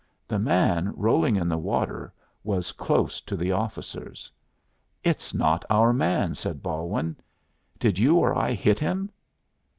The man rolling in the water was close to the officers. "It's not our man," said Balwin. "Did you or I hit him?"